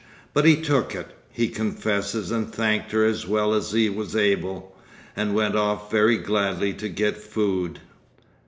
But he took it, he confesses, and thanked her as well as he was able, and went off very gladly to get food.